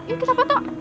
yuk kita foto